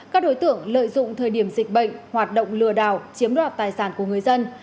các đối tượng lợi dụng thời điểm dịch bệnh hoạt động lừa đảo chiếm đoạt tài sản của người dân